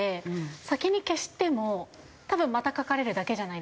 先に消しても多分また書かれるだけじゃないですか。